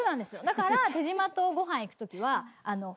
だから手島とごはん行く時は。